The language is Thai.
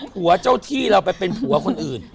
ผัวเจ้าที่เราไปเป็นผัวคนอื่น